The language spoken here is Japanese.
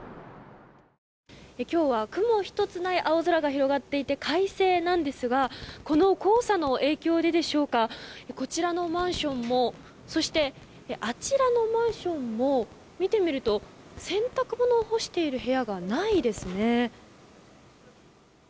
今日は雲１つない青空が広がっていて快晴なんですがこの黄砂の影響ででしょうかこちらのマンションもそして、あちらのマンションも見てみると洗濯物を干している部屋がないですね。